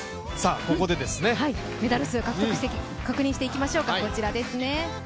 メダル数確認していきましょうか。